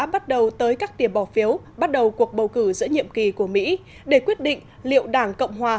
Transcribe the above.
bắt đầu tới các tiền bỏ phiếu bắt đầu cuộc bầu cử giữa nhiệm kỳ của mỹ để quyết định liệu đảng cộng hòa